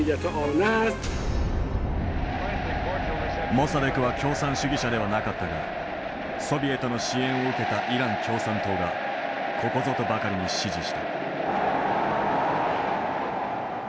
モサデクは共産主義者ではなかったがソビエトの支援を受けたイラン共産党がここぞとばかりに支持した。